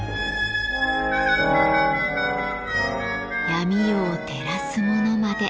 闇夜を照らすものまで。